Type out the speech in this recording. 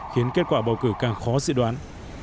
khiến kết quả bầu cử càng khó dự đoán